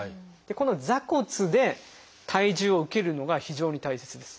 この座骨で体重を受けるのが非常に大切です。